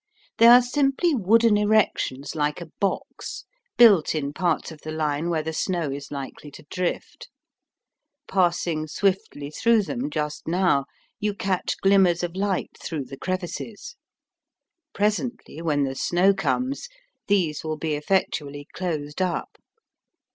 They are simply wooden erections like a box, built in parts of the line where the snow is likely to drift. Passing swiftly through them just now you catch glimmers of light through the crevices. Presently, when the snow comes, these will be effectually closed up.